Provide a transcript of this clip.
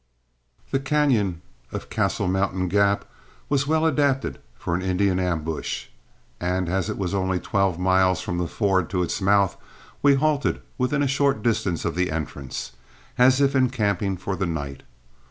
The cañon of Castle Mountain Gap was well adapted for an Indian ambush; and as it was only twelve miles from the ford to its mouth, we halted within a short distance of the entrance, as if encamping for the night.